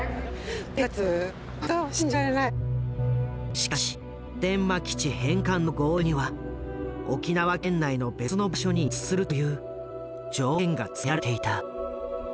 しかし普天間基地返還の合意には沖縄県内の別の場所に移設するという条件が付けられていた。